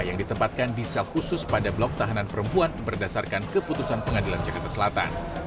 yang ditempatkan di sel khusus pada blok tahanan perempuan berdasarkan keputusan pengadilan jakarta selatan